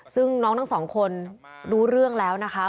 ซึ่งน้องทั้งสองคนรู้เรื่องแล้วนะคะ